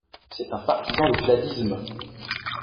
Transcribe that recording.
C'est un partisan du cladisme.